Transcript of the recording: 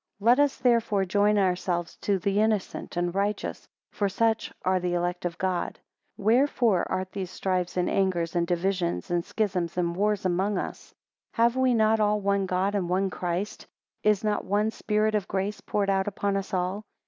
14 Let us therefore join ourselves to the innocent and righteous; for such are the elect of God. 15 Wherefore are there strifes, and anger, and divisions, and schisms, and wars, among us? 16 Have we not all one God, and one Christ? Is not one spirit of grace poured out upon us all?